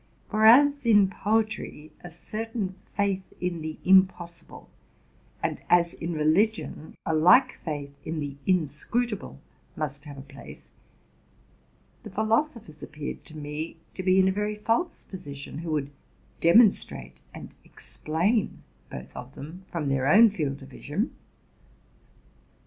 For as in poetry a certain faith in the impossible, and as in religion a like faith in the inscrutable, must have a place, the philosophers appeared to me to be in a very false posi tion who would demonstrate and explain both of them from their own field of vision.